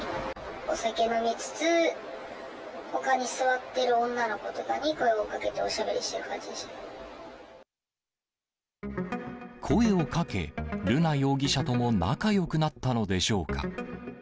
お酒飲みつつ、ほかに座っている女の子とかに声をかけておしゃべりしてる感じで声をかけ、瑠奈容疑者とも仲よくなったのでしょうか。